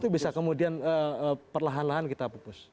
itu bisa kemudian perlahan lahan kita pupus